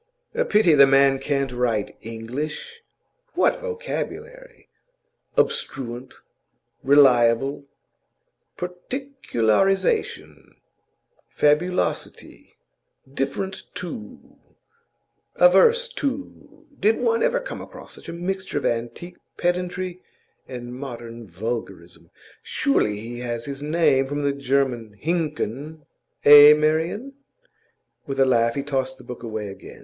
'A pity the man can't write English.' What a vocabulary! Obstruent reliable particularization fabulosity different to averse to did one ever come across such a mixture of antique pedantry and modern vulgarism! Surely he has his name from the German hinken eh, Marian?' With a laugh he tossed the book away again.